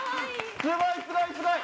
すごいすごいすごい！